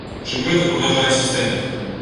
Чым гэта пагражае сістэме?